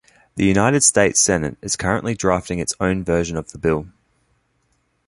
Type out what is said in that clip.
The United States Senate is currently drafting its own version of the bill.